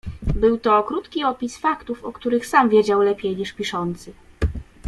"Był to krótki opis faktów, o których sam wiedział lepiej, niż piszący."